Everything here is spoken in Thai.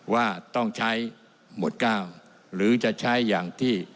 ว่าต้องใช้หมวด๙หรือจะใช้อย่างที่